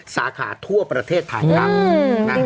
สาขาทั่วประเทศไทยครับ